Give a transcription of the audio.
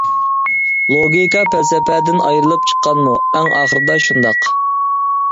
لوگىكا پەلسەپىدىن ئايرىلىپ چىققانمۇ؟ ئەڭ ئاخىرىدا، شۇنداق.